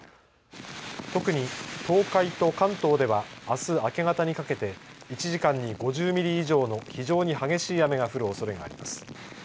特に東海と関東ではあす明け方にかけて１時間に５０ミリ以上の非常に激しい雨が降るおそれがあります。